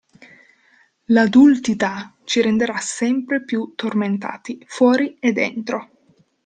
L'adultità ci renderà sempre più tormentati, fuori e dentro.